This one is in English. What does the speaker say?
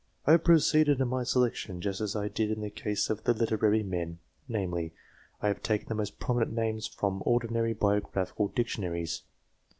I have proceeded in my selection just as I did in the case of the literary men namely, I have taken the most prominent names from ordinary biographical dictionaries.